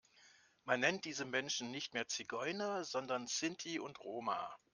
Man nennt diese Menschen nicht mehr Zigeuner, sondern Sinti und Roma.